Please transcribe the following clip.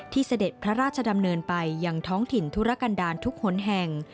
เสด็จพระราชดำเนินไปยังท้องถิ่นธุรกันดาลทุกหนแห่ง